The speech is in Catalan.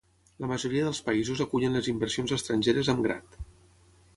La majoria dels països acullen les inversions estrangeres amb grat.